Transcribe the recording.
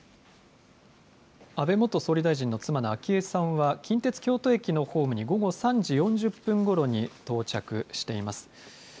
安倍元総理大臣の妻の昭恵さんは、近鉄京都駅のホームに午後３時４０分ごろに到着しています。